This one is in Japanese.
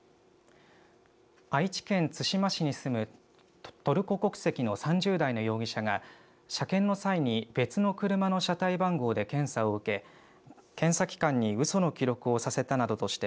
愛知県津島市に住むトルコ国籍の３０代の容疑者が車検の際に別の車の車台番号で検査を受け検査機関にうその記録をさせたなどとして